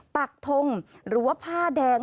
ปักทงหรือว่าผ้าแดง